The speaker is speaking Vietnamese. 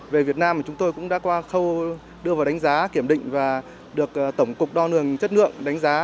về việt nam thì chúng tôi cũng đã qua khâu đưa vào đánh giá kiểm định và được tổng cục đo lường chất lượng đánh giá